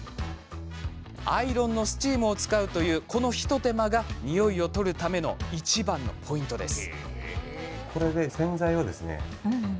アイロンのスチームを使うという、この一手間がニオイを取るためのいちばんのポイントです。